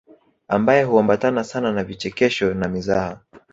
Ambayo huambatana sana na vichekesho na mizaha